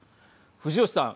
藤吉さん。